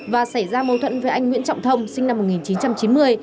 và xảy ra mâu thuẫn với anh nguyễn trọng thông sinh năm một nghìn chín trăm chín mươi